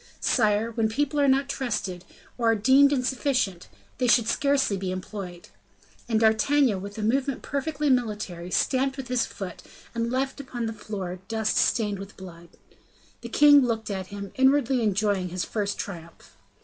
Sire, when people are not trusted, or are deemed insufficient, they should scarcely be employed." And D'Artagnan, with a movement perfectly military, stamped with his foot, and left upon the floor dust stained with blood. The king looked at him, inwardly enjoying his first triumph.